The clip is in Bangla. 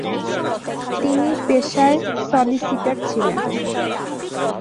তিনি পেশায় সলিসিটার ছিলেন।